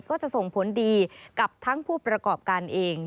ก็จะส่งผลดีกับทั้งผู้ประกอบการเอง